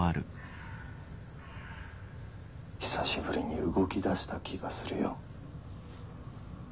久しぶりに「動きだした」気がするよ。